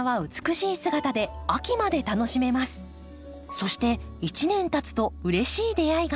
そして１年たつとうれしい出会いが。